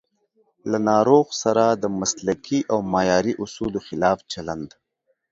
له ناروغ سره د مسلکي او معیاري اصولو خلاف چلند